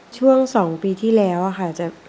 ช่วง๒ปีที่แล้วค่ะ